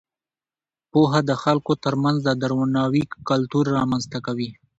پوهه د خلکو ترمنځ د درناوي کلتور رامینځته کوي.